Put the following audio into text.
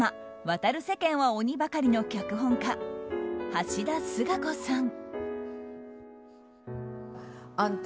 「渡る世間は鬼ばかり」の脚本家橋田壽賀子さん。